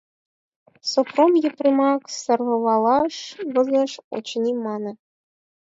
— Сопром Епремымак сӧрвалаш возеш, очыни, — мане.